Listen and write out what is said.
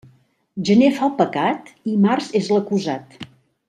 Gener fa el pecat i març és l'acusat.